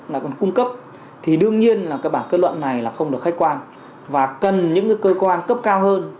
là còn cung cấp thì đương nhiên là cái bản kết luận này là không được khách quan và cần những cái cơ quan cấp cao hơn